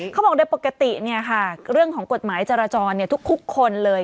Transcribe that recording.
เขาบอกโดยปกติเรื่องของกฎหมายจราจรทุกคนเลย